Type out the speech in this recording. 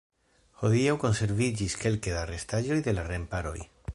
Hodiaŭ konserviĝis kelke da restaĵoj de la remparoj.